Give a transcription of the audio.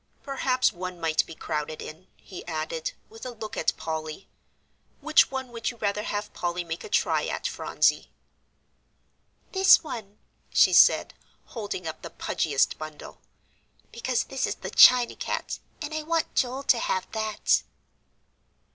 "Perhaps one might be crowded in," he added, with a look at Polly. "Which one would you rather have Polly make a try at, Phronsie?" "This one," she said, holding up the pudgiest bundle, "because this is the china cat, and I want Joel to have that."